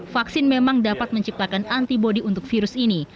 vaksin memang dapat menciptakan antibody untuk virus ini